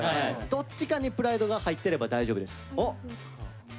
どっちかにプライドが入ってれば大丈夫です。